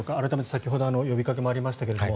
先ほど呼びかけもありましたが。